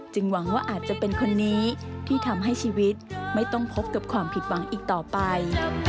หวังว่าอาจจะเป็นคนนี้ที่ทำให้ชีวิตไม่ต้องพบกับความผิดหวังอีกต่อไป